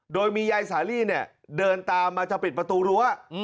โดยมียายสาลีเนี่ยเดินตามมาจะปิดประตูรั้ว